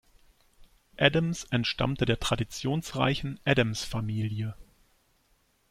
Adams entstammte der traditionsreichen Adams-Familie.